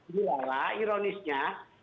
ini adalah ironisnya